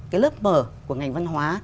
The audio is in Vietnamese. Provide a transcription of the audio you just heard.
cái lớp mở của ngành văn hóa